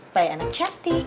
bayi anak cantik